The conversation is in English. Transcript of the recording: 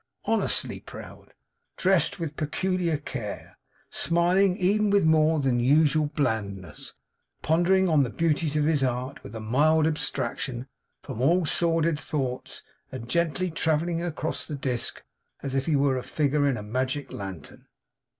Honestly proud. Dressed with peculiar care, smiling with even more than usual blandness, pondering on the beauties of his art with a mild abstraction from all sordid thoughts, and gently travelling across the disc, as if he were a figure in a magic lantern.